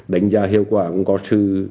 đánh giá hiệu quả cũng có sự